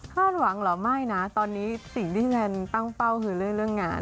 หวังเหรอไม่นะตอนนี้สิ่งที่แฟนตั้งเป้าคือเรื่องงาน